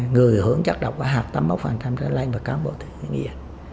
người hưởng chắc độc và hạt tắm mốc phần tham gia lên và cán bộ thì như vậy